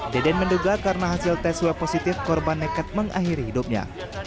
deden menduga karena hasil tes swab positif korban nekat mengakhiri hidupnya